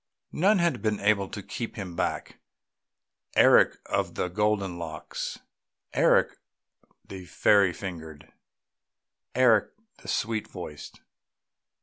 None had been able to keep him back; Eric of the golden locks, ... Eric the fairy fingered, ... Eric the sweet voiced